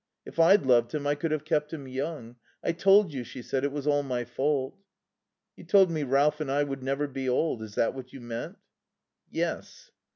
If I'd loved him I could have kept him young. I told you," she said, "it was all my fault." "You told me Ralph and I would never be old. Is that what you meant?" "Yes."